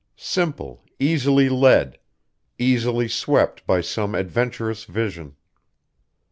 Simple, easily led, easily swept by some adventurous vision....